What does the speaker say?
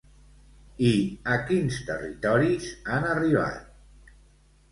I a quins territoris han arribat?